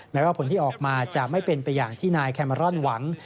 แม้ว่าผลที่ออกมาจะไม่เป็นไปอย่างที่นายแคเมอรอนหวัง